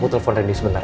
mau telfon rendy sebentar